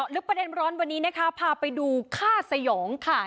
ลึกประเด็นร้อนวันนี้นะคะพาไปดูฆ่าสยองค่ะ